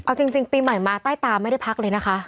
เอาจริงปีใหม่มาใต้ตาไม่ได้พักเลยนะคะ